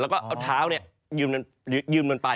แล้วก็เอาเท้าเนี่ยยืมลงไป